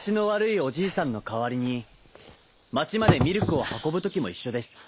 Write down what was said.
おじいさんのかわりにまちまでミルクをはこぶときもいっしょです。